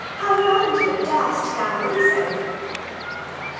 how fondly dost thou reason!